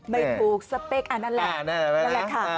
ไม่ถูกสเปกอันนั้นแหละ